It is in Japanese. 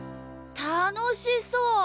たのしそう。